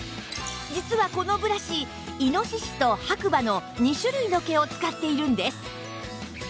実はこのブラシ猪と白馬の２種類の毛を使っているんです